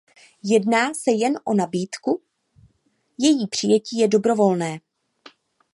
Jedná se jen o nabídku, její přijetí je dobrovolné.